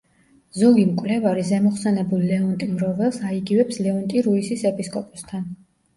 ზოგი მკვლევარი ზემოხსენებულ ლეონტი მროველს აიგივებს ლეონტი რუისის ეპისკოპოსთან.